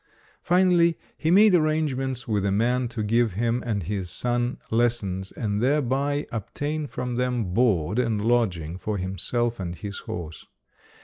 Finally he made arrangements with a man to give him and his son lessons and thereby obtain from them board and lodging for himself and his horse.